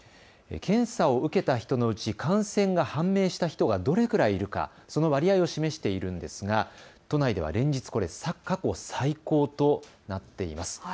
検査を受けた人のうち感染が判明した人がどれくらいいるか、その割合を示しているんですが都内では連日、過去最高となっています。